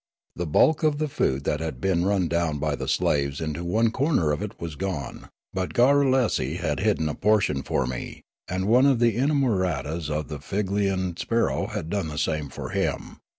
The bulk of the food that had been run down by the slaves into one corner of it was gone ; but Garrulesi had hid den a portion for me, and one of the inamoratas of the Figlefian sparrow had done the same for him.